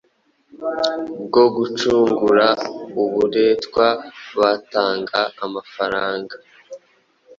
bwo gucungura uburetwa batanga amafaranga